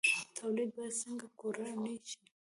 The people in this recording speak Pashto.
تولید باید څنګه کورنی شي؟